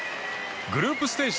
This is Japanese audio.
グループステージ